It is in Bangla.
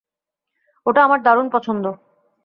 ওটা আমার দারুণ পছন্দ!